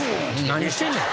何してんねん！